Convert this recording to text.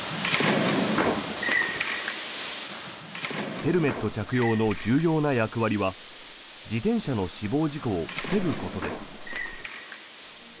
ヘルメット着用の重要な役割は自転車の死亡事故を防ぐことです。